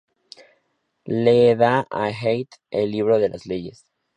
Le da a Eid el Libro de las Leyes.